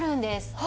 はい。